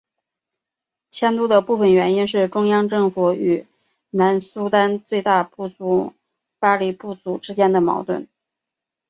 迁都的部分原因是中央政府与南苏丹最大部族巴里部族之间的矛盾。